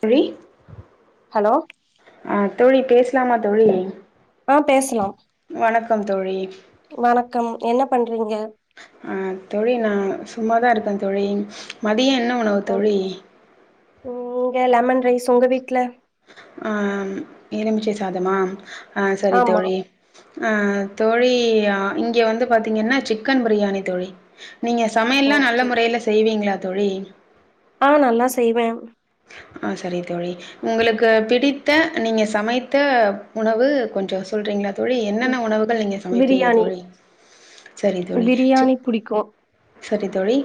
தோழி ஹலோ ஆ தோழி பேஸ்லாமா தோழி ஆ பேசலாம் வணக்கம் தோழி வணக்கம் என்ன பண்றீங்க அ தோழி நா சும்மாதா இருக்கே தோழி மதியோ என்ன உணவு தோழி ஓகே ம் இங்க லெமன் ரைஸ் உங்க வீட்ல ஆ எலுமிச்சை சாதமா ஆ சரி ஆமா தோழி ஆ தோழி இங்க வந்து பாரத்தீங்கன்னா சிக்கன் பிரியாணி தோழி நீங்க சமையல்லா நல்ல ஓகே முறைல செய்வீங்களா தோழி ஆ நல்லா செய்வே ஆ சரி தோழி உங்களுக்கு பிடித்த நீங்க சமைத்த உணவு கொஞ்ச சொல்றீங்களா தோழி என்னென்ன உணவுகள் நீங்க சமைப்பீங்க பிரியாணி தோழி செரி தோழி ச பிரியாணி புடிக்கு சரி தோழி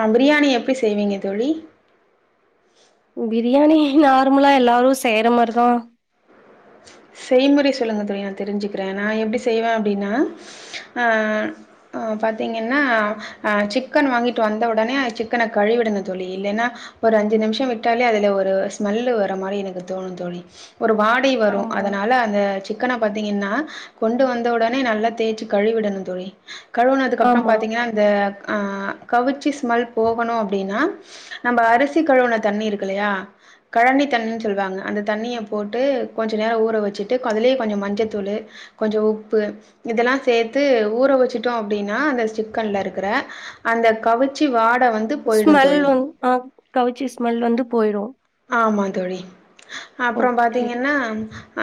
ஆ பிரியாணி எப்டி செய்வீங்க தோழி ம் பிரியாணி நார்மலா எல்லாரும் செய்யற மாரிதான் செய்முறை சொல்லுங்க தோழி நான் தெரிஞ்சுக்கிறேன் நான் எப்டி செய்வேன் அப்டின்னா ஆ அ பாத்தீங்கன்னா அ சிக்கன் வாங்கிட்டு வந்த உடனே அ சிக்கன கழிவிடுங்க தோழி இல்லன்னா ஒரு அஞ்சு நிமிஷோ விட்டாலே அதுல ஒரு ஸ்மெல்லு வர மாரி எனக்கு தோணு தோழி ஒரு வாடு எப்பி வரு ஆமா அதுனால அந்த சி சிக்கன பாத்தீங்கன்னா கொண்டு வந்த உடனே நல்லா தேய்ச்சு கழுவிடணும் தோழி கழுவுனதுக்கு அப்புறம் ஆமா பாத்தீங்கன்னா இந்த அ கவுச்சி ஸ்மெல் போகணும் அப்டின்னா நம்ம அரிசி கழவுன தண்ணி இருக்குல்லையா கழனி தண்ணின் சொல்லுவாங்க அந்த தண்ணிய போட்டு கொஞ்சோ நேரோ ஊற வெச்சுட்டு அதுலயே கொஞ்சோ மஞ்சத்தூளு கொஞ்சோ உப்பு இதெல்லா சேத்து ஊற வெச்சுட்டோ அப்டினா அந்த சிக்கன்ல இருக்கற அந்த கவுச்சி வாட வந் ஸ்மெல் வந் ஆ கவுச்சி ஸ்மெல் வந்து போயிரு ஆமா தோழி அப்புறோ ஓகே பாத்தீங்கன்னா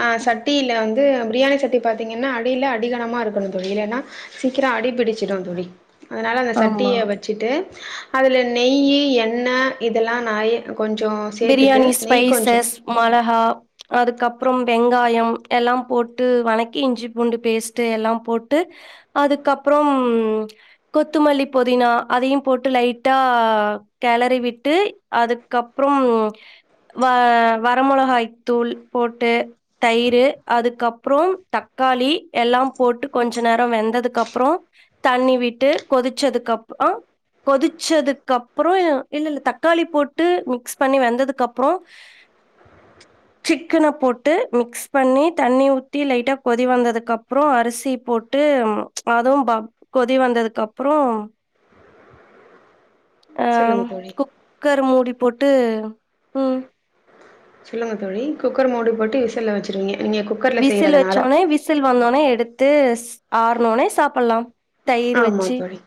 ஆ சட்டியில வந்து பிரியாணி சட்டி பாத்திங்கன்னா அடியில அடிகனமா இருக்கணு தோழி இல்லைனா சீக்கரோ அடிபிடிச்சுடு தோழி அதனால அந்த ஆமா சட்டிய வ ச்சுட்டு அதுல நெய்யி எண்ணெ இதல்லா நறிய கொஞ்சோ பிரியாணி ஸ்பைசஸ் மொளகா அதுக்கப்றம் வெங்காயம் எல்லா போட்டு வணக்கி இஞ்சி பூண்டு பேஸ்ட்டு எல்லா போட்டு அதுக்கப்றம் கொத்துமல்லி புதினா அதயு போட்டு லைட்டா கேளரி விட்டு அதுக்கப் அப்புறம் வ வர மொளகாய் தூள் போட்டு தயிரு அதுக்கப்றோம் தக்காளி எல்லா போட்டு கொஞ்ச நேர வெந்ததுக்கு அப்பறோ தண்ணி விட்டு கொதிச்சதுக்கப்றோ கொதிச்சதுக்கு அப்றோ இல்ல இல்ல தக்காளி போட்டு மிக்ஸ் பண்ணி வெந்ததுக்கப்றோ உஹ சிக்கன போட்டு மிக்ஸ் பண்ணி தண்ணி ஊத்தி லைட்டா கொதி வந்ததுக்கப்றோ அரிசி போட் டு அது ப கொதி வந்ததுக்கப்றோ அ சொல்லுங்க தோழி. குக்கர் மூடி போட்டு ம் சொல்லுங்க தோழி குக்கர் மூடி போட்டு விசில்ல வெச்சிருவீங்க நீங்க குக் விசில் வெச்சோனே விசில் வந்தோனே எடுத்து ஆற்னோனே சாப்பல்லா ஆமா தோழி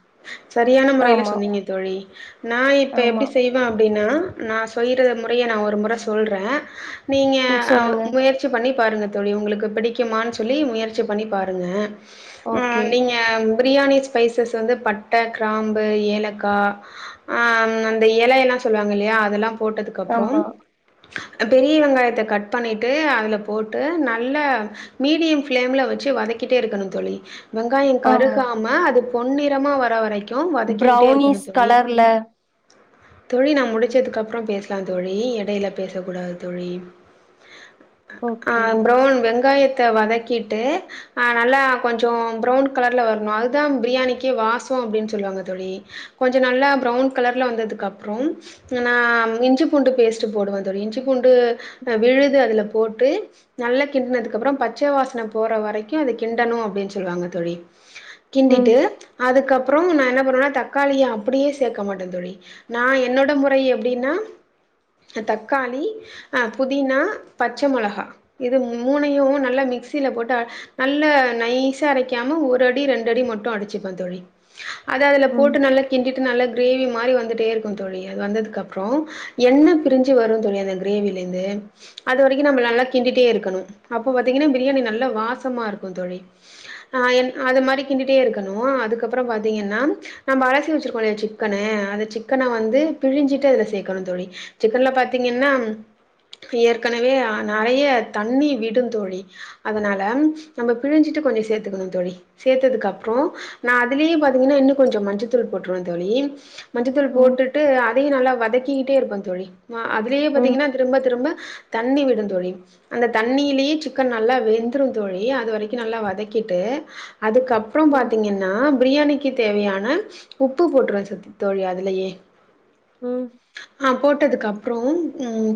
சரியான முறைல ஆமா, சொன்னீங்க தோழி நா இப்ப ஆமா. எப்டி செய் அப்டினா நா செய்ற முறைய நா ஒரு முற சொல்றே நீங்க ம் சொல்லுங்க. முயற் சி பண்ணி பாருங்க தோழி உங்களுக்கு பிடிக்குமான் சொல்லி முயற்சி பண்ணி பாருங்க ஓகே. ம் நீங்க பிரியாணி ஸ்பைசஸ் வந்து பட்ட க்ராம்பு ஏலக்கா ஆ அந்த எலயெல்லா சொல்லுவாங்க இல்லையா அதெல்லா போட்டதுக்கப்றோ ஆமா, அ பெரிய வெங்காயத்த கட் பண்ணிட்டு அதுல போட்டு நல்ல மீடியம் பிளேம்ல வெச்சு வதக்கிட்டே இருக்கணு தோழி வெங்காயோ ஆமா. கருகாம அது பொன்னிறமா வர வரைக்கு வதக்கிக்கிட்டே இருக்கணு ப்ரௌனீஸ் தோழி கலர்ல. தொழி நா முடிச்சதுக்கப்றோ பேசலா தோழி எடைல பேசக்கூடாது தோழி அ ஓகே. ப்ரௌன் வெங்காயத்த வதக் கிட்டு நல்லா கொஞ்சோ ப்ரவுன் கலர்ல வரு அதுதா பிரியாணிக்கே வாசோ அப்டின் சொல்லுவாங்க தோழி கொஞ்சோ நல்லா ப்ரௌன் கலர்ல வந்ததுக்கப்றோ நா இஞ்சி பூண்டு பேஸ்ட்டு போடுவே தோழி இஞ்சி பூண்டு் விழுது அதுல போட்டு நல்ல கிண்டனதுக்ப்பறோ பச்ச வாசன போற வரைக்கு அத கிண்டணு அப்டின் சொல்லுவாங்க தோழி ம், கிண்டிட்டு அதுக்கப்றோ நா என்ன பண்ணுவேனா தக்காளிய அப்படியே சேக்க மாட்டே தோழி நா என்னோட முறை எப்டினா தக்காளி ஆ புதினா பச்ச மொளகா இது மூனையு நல்ல மிக்சில போட்டு நல்ல நைசா அரைக்காம ஒரு ரெண்டு அடி மட்டு அடிச்சுப்ப தோழி அத அதுல ம், போட்டு நல்லா கிண்டிட்டு நல்ல கிரேவிமாரி வந்துட்டே இருக் தோழி அது வந்ததுக்கப்றோ எண்ண பிரிஞ்சு வரு தோழி அந்த கிரேவில இருந்து அது வரைக்கு நம்ம நல்லா கிண்டிட்டே இருக்கணு அப்போ பாத்தீங்கன்னா பிரியாணி நல்லா வாசமா இருக்கு தோழி ஆ என் அது மாரி கிண்டிட்டே இருக்கணு அதுக்கப்பற பாத்தீங்கன்னா நம்ம அலசி வச்சிருக்கோல்லையா சிக்கனு அந்த சிக்கன வந்து பிழிஞ்சிட்டு அதுல சேக்கணு தோழி சிக்கன்ல பாத்தீங்கன்னா ஏற்கனவே நெறய தண்ணி விடு தோழி அதனால நம்ம பிழிஞ்சிட்டு கொஞ்சோ சேத்துக்கணு தோழி சேர்த்ததுக்கு அப்ற நா அதுலயே பாத்தீங்கன்னா இன்னு கொஞ்சோ மஞ்சத்தூள் போட்ருவ தோழி மஞ்சத்தூள் ம், போட்டுட்டு அதையு நல்லா வதக்கிக்கிட்டே இருப்ப தோழி அதுலயே ம், பாத்தீங்கன்னா திரும்ப திரும்ப தண்ணி விடுந்தோழி அந்த தண்ணிலயே சிக்கன் நல்லா வெந்துரு தோழி அது வரைக்கு நல்லா வதக்கிட்டு அதுக்கப்பற ம், பாத்தீங்க நா பிரியாணிக்கு தேவையான உப்பு சி போட்ருவ தோழி அதுலயே ம் ஆ போட்டதுக்கு அப்ற ம்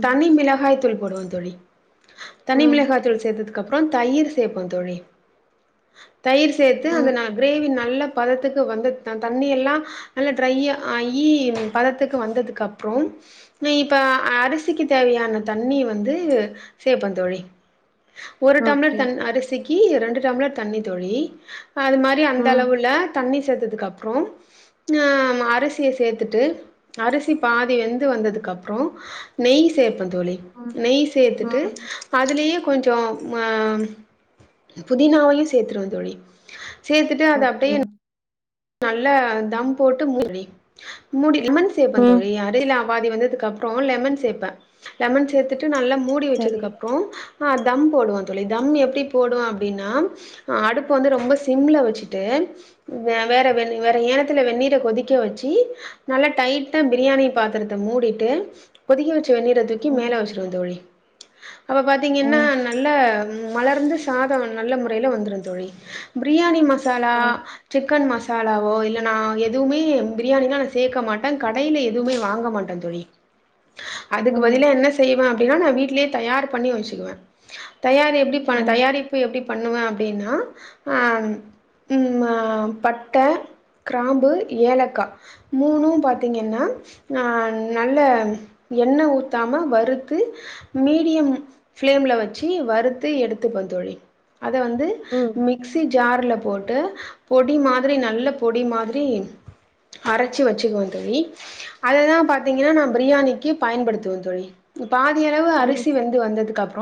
தனி மிளகாய் தூள் போடுவ தோழி தனி ம், மிளகாய் தூள் சேத்ததுக்கு அப்ற தயிர் சேப்போ தோழி தயிர் சேத்து அந்த ம். ந கிரேவி நல்ல பதத்துக்கு வந்து தண்ணியெல்லா நல்லா ட்ரை ஆயி பதத்துக்கு வந்ததுக்கு அப்ற. இப்ப அரிசிக்கு தேவையான தண்ணி வந்து சேப்ப தோழி ஒரு டம்ளர் ஓகே. தண்ணி அரிசிக்கு ரெண்டு டம்ளர் தண்ணி தோழி அது மாரி அந்த ம், அளவுல தண்ணி சேத்ததுக்கு அப்ற ஆ அரிசிய சேத்துட்டு அரிசி பாதி வெந்து வந்ததுக்கு அப்ற நெய் சேப்ப தோழி ம், நெய் சேத்துட்டு ம். அதுலயே கொஞ்சோமா புதினாவையு சேத்துருவ தோழி சேத்துட்டு அது ஓகே. அப்டியே நல்லா தம் போட்டு மூடி மூடி லெமன் சேப்ப ம். தோழி அது இல பாதி வெந்ததுக்கு அப்ற லெமன் சேப்ப லெமன் சேத்துட்டு நல்லா மூடி சரி. வச்சதுக்கப்பற தம் போடுவ தோழி தம் எப்டி போடுவ அப்டின்னா அடுப்பு வந்து ரொம்ப சிம்ள வச்சுட்டு வேற வெ வேற ஏனத்துல வெந்நீரை கொதிக்க வச்சு நல்லா டைட்டா பிரியாணி பாத்திரத்த மூடிட்டு கொதிக்க வச்ச வெண்ணீர தூ க்கி ம், மேல வச்சிருவ தோழி அப்ப பாத்தீங்கன்னா ம், நல்ல மலர்ந்து சாத நல்ல முறைல வந்துரு தோழி பிரியாணி மசாலா ம், சிக்கன் மசா மசாலாவோ இல்ல நா எதுவுமே பிரியாணில நா சேக்க மாட்ட கடைல எதுவுமே வாங்க மாட்ட தோழி அதுக்கு ம், பதிலா என்ன செய்வ அப்டின்னா நா வீட்லயே தயார் பண்ணி வச்சுக்குவ தயாரி எப்டி பண்ண ம், தயாரிப்பு எப்டி பண்ணுவ அப்டின்னா அ ம் பட்டை கிராம்பு ஏலக்கா மூணு பாத்தீங்கன்னா ஆ நல்ல எண்ணெ ஊத்தாம வறுத்து மீடியம் ஃப்ளேம்ல வச்சு வறுத்து எடுத்துப்ப தோழி அத வந்து ம், மிக்சி ஜார்ல போட்டு பொடி மாதிரி நல்ல பொடி மாதிரி அரச்சி வச்சுக்குவ தோழி அததா பாத்தீங்கன்னா நா பிரியாணிக்கு பயன்படுத்துவ தோழி பாதி அளவு ம், அரிசி வெந்து வந்ததுக்கு அப்ற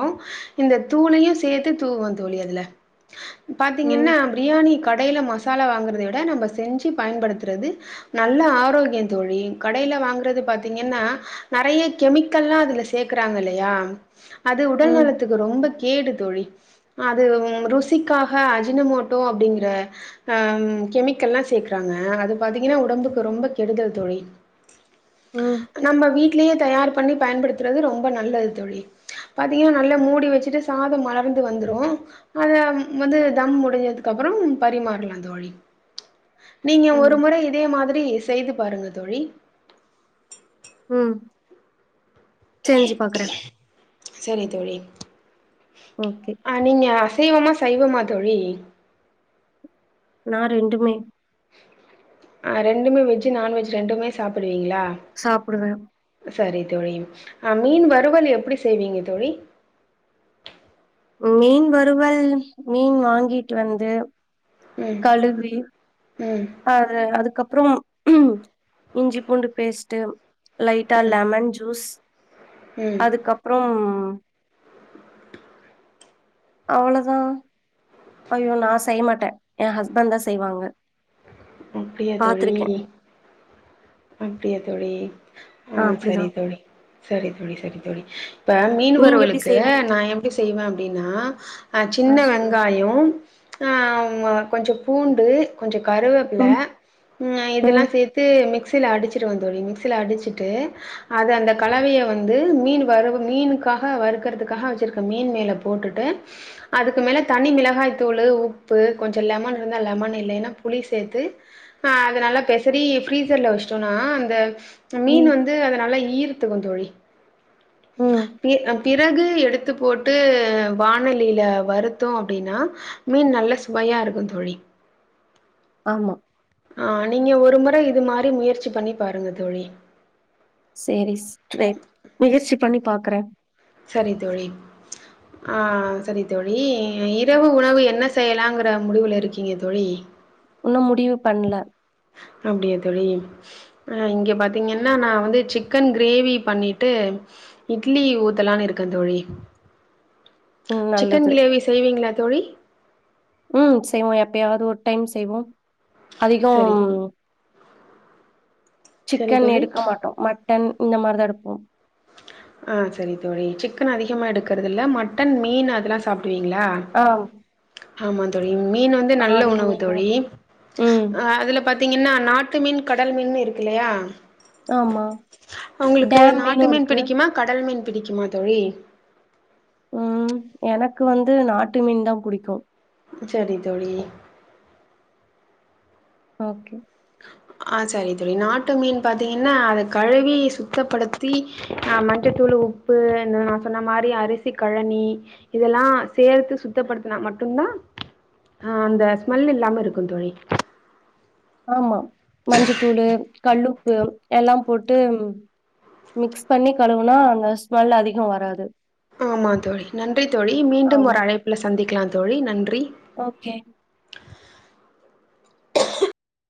இந்த தூளையு சேத்து தூவ்வ தோழி அதுல பாத்தீங்கன்னா ம், பிரியாணி கடைல மசாலா வாங்குறது விட நம்ம செஞ்சு பயன்படுத்துறது நல்ல ஆரோக்கியம் தோழி கடையில வாங்கறது பாத்தீங்கன்னா நெறைய கெமிக்கல்லா அதுல சேர்கக்குறாங்கல்லையா அது உடல் ம், நலத்துக் ரொம்ப கேடு தோழி அது ம் ருசிக்காக அஜினமோட்டோ அப்டிங்கற ஹா ம் கெமிக்கல்லா சேக்கறாங்க அது பாத்தீங்கனா உடம்புக்கு ரொம்ப கெடுதல் தோழி ம், நம்ம வீட்லயே தயார் பண்ணி பயன்படுத்துறது ரொம்ப நல்லது தோழி பாத்தீங்கன்னா நல்லா மூடி வச்சுட்டு சாதம் மலர்ந்து வந்துரு அத வந்து தம் முடிஞ்சதுக்கு அப்புறம் பரிமாறலா தோழி நீங்க ஒரு ம், முற இதே மாதிரி செய்து பாருங்க தோழி உம் செஞ்பாக்கறே சரி தோழி ஓகே ஆ நீங்க அசைவமா சைவமா தோழி நா ரெண்டுமே ஆ ரெண்டுமே வெஜ்ஜு நான்வெஜ் ரெண்டுமே சாப்டுவீங்களா சாப்டுவ சரி தோழி ஆ மீன் வறுவல் எப்டி செய்வீங்க தோழி மீன் வருவல் மீன் வாங்கிட்டு வந்து ம் ம் அது அதுக்கப்புறம் இஞ்சி பூண்டு பேஸ்ட்டு லைட்டா ம் லெமன் ஜூஸ் ம் அதுக்கப்றம் அவ்ளதா ஐயோ நா செய்ய மாட்ட என் ஹஸ்பண்ட் தா செய்வாங்க அப்டியா தோழி பாத்துருக்கே அப்டியா தோழி ஆ சரி தோழி சரி தோழி சரி தோழி இப்ப நீங்க எப்டி மீன்வறுவலுக்கு செய்வீங்க நா எப்டி செய்வ அப்டின்னா அஹ் சின்ன ஆ சொல்லுங்க வெங்காயோ ஆஹ் கொஞ்சம் பூண்டு கொஞ்சம் கருவேப்பில ம் இதல்லா ம் சேத்து மிக்சில அடிச்சிடுவ தோழி மிக்சில அடிச்சிட்டு அது அந்த கலவய வந்து மீன் வறுவ மீனுக்காக வறுக்கதுக்காக வச்சிருக்க மீன் மேல போட்டுட்டு அதுக்கு மேல தனி மிளகாய் தூளு உப்பு கொஞ்சோ லெமன் இருந்தா லெமன் இல்லைன்னா புலி சேத்து அத நல்லா பெசரி ஃப்ரீசர் ல வச்சுட்டோன அந்த மீன் ம் வந் து அத நல்லா ஈர்த்துக்கு தோழி ம் பி பிறகு எடுத்து எடுத்துப்போட்டு வானலில வருத்தோ அப்டினா மீன் நல்ல சுவையா இருக்கு தோழி ஆமா ஆஹ் நீங்க ஒரு முற இது மாதிரி முயற்சி பண்ணி பாருங்க தோழி செரி சிஸ் ட்ரைப் முயற்சி பண்ணி பாக்கறே சரி தோழி ஆஹ் சரி தோழி இரவு உணவு என்ன செய்யலாங்கிற முடிவுல இருக்கீங்க தோழி இன்னு முடிவு பண்ணல அப்டியா தோழி இங்க பாத்தீங்கன்னா நா வந்து சிக்கன் கிரேவி பண்ணிட்டு இட்லி ஊத்தலானு இருக்க தோழி உம் சிக்கன் நல்லது கிரேவி செய்வீங்களா தோழி ம் செய்வோ எப்பயாவது ஒரு டைம் செய்வோ சரி அதிகொம் சரி சிக்கன் தோழி எடுக்க மாட்டோ மட்டன் இந்த மாரிதா எடுப்போ ஆ சரி தோழி சிக்கன் அதிகமாக எடுக்கறதுல்ல மட்டன் மீன் அதெல்லா சாப்டுவீங்களா ஆம் ஆமாந் தோழி மீன் வந்து நல்ல ஆடு உணவு மீனு தோழி ம் அ அதுல பாத்தீங்கன்னா நாட்டு மீன் கடல் மீன் இருக்கு இல்லையா ஆமா உங்களுக்கு டேம் நாட் மீனு இருக்கு ஆ கடல் மீன் பிடிக்குமா தோழி ம் எனக்கு வந்து நாட்டு மீன் தா புடிக்கு சரி தோழி ஓகே ஆ சரி தோழி நாட்டு மீன் பாத்தீங்கன்னா அத கழுவி சுத்தப்படுத்தி ஆ மஞ்சத்தூள் உப்பு இந்த நா சொன்ன மாரி அரிசி கழனி இதெல்லா சேத்து சுத்தப்படுத்தனா மட்டுந்தா ஆ அந்த ஸ்மெல் இல்லாம இருக்கு தோழி ஆமா மஞ்சத்தூளு கல்லுப்பு எல்லாம் போட்டு மிக்ஸ் பண்ணி கழுவுனா அந்த ஸ்மெல் அதிக வராது ஆமா தோழி நன்றி தோழி மீண்டும் ஒரு ஆமா அழைப்பில சந்திக்கலா தோழி நன்றி ஓகே